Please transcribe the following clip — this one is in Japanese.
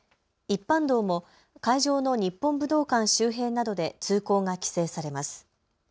一般道も会場の日本武道館周辺などで通行が規制されます。